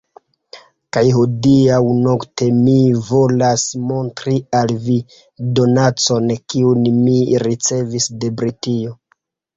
Kaj hodiaŭ nokte mi volas montri al vi, donacon kiun mi ricevis de Britio.